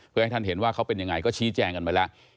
เพื่อให้ท่านเห็นว่าเขาเป็นยังไงก็ชี้แจงกันไปแล้ว